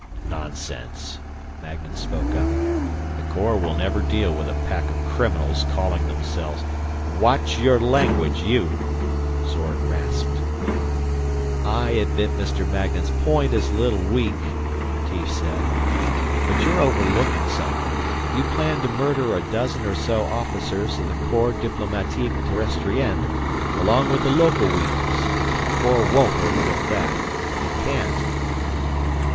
"Nonsense," Magnan spoke up. "The Corps will never deal with a pack of criminals calling themselves " "Watch your language, you!" Zorn rasped. "I'll admit Mr. Magnan's point is a little weak," Retief said. "But you're overlooking something. You plan to murder a dozen or so officers of the Corps Diplomatique Terrestrienne along with the local wheels. The corps won't overlook that. It can't."